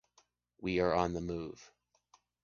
We are on the move.